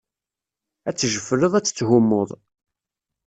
Ad tejjefleḍ, ad tetthummuḍ.